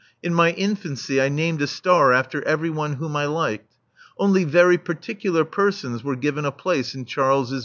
In my infancy I named a star after every one whom I liked. Only very particular persons were given a place in Charles's wain.